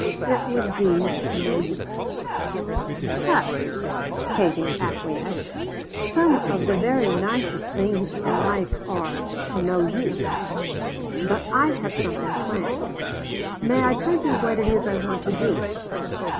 "It would be no use." "Perhaps," Katie acquiesced. "Some of the very nicest things in life are no use. But I have something planned. May I tell you what it is I want to do?"